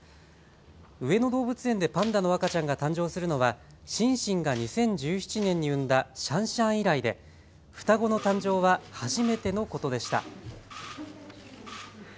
上野動物園でパンダの赤ちゃんが誕生するのはシンシンが２０１７年に産んだシャンシャン以来で双子の誕生は初めてのことでした。